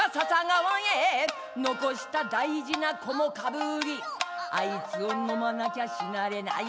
「残した大事な薦被り」「あいつを飲まなきゃ死なれないと」